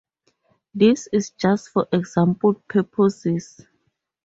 This is just for example purposes.